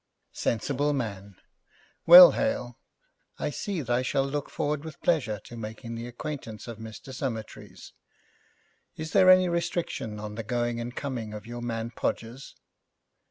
'Sensible man! Well, Hale, I see I shall look forward with pleasure to making the acquaintance of Mr. Summertrees. Is there any restriction on the going and coming of your man Podgers?'